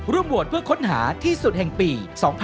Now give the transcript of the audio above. ร่วมรวดเพื่อค้นหาที่สุดแห่งปี๒๐๒๒